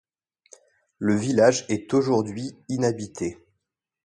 Le village est aujourd'hui inhabité.